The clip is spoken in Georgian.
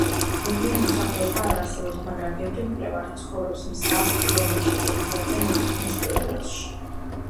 მუდმივი მოსახლეობა არ არსებობს, მაგრამ ბევრი მკვლევარი ცხოვრობს მსგავს პირობებში წელიწადზე მეტი ხნის პერიოდში.